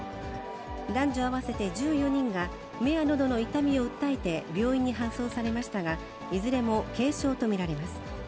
男女合わせて１４人が、目やのどの痛みを訴えて病院に搬送されましたが、いずれも軽症と見られます。